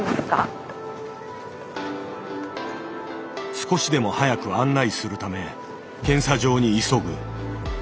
少しでも早く案内するため検査場に急ぐ。